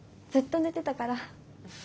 ずっと寝てたから。